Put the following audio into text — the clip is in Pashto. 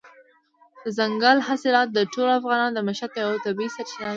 دځنګل حاصلات د ټولو افغانانو د معیشت یوه طبیعي سرچینه ده.